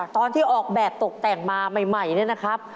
ตอนที่ออกแบบตกแต่งมาใหม่เนี่ยนะครับ